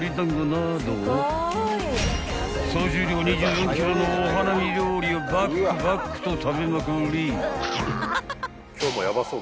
［総重量２４ｋｇのお花見料理をばっくばっくと食べまくり］